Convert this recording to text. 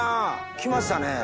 来ましたねぇ！